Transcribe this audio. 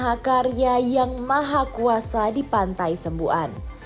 pantai nampu adalah karya yang maha kuasa di pantai sembuan